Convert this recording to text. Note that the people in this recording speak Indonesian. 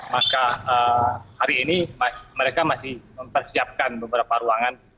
maka hari ini mereka masih mempersiapkan beberapa ruangan